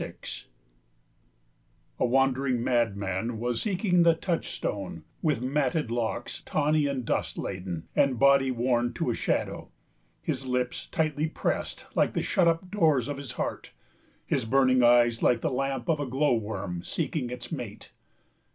66 A wandering madman was seeking the touchstone, with matted locks tawny and dust laden, and body worn to a shadow, his lips tight pressed, like the shut up doors of his heart, his burning eyes like the lamp of a glow worm seeking its mate.